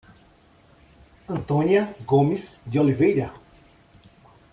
Antônia Gomes de Oliveira